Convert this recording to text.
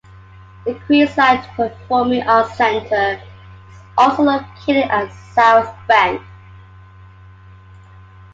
The Queensland Performing Arts Centre is also located at South Bank.